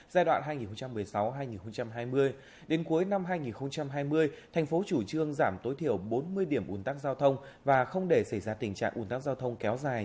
giai đoạn hai nghìn một mươi sáu hai nghìn hai mươi đến cuối năm hai nghìn hai mươi thành phố chủ trương giảm tối thiểu bốn mươi điểm ủn tắc giao thông và không để xảy ra tình trạng ủn tắc giao thông kéo dài